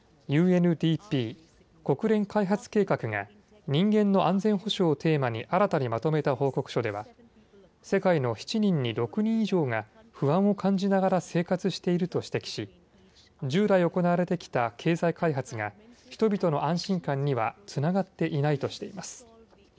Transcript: ＵＮＤＰ・国連開発計画が人間の安全保障をテーマに新たにまとめた報告書では世界の７人に６人以上が不安を感じながら生活していると指摘し従来行われてきた経済開発が人々の安心感にはつながっていないとしています。